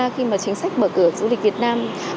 khi mà chính sách mở cửa du lịch việt nam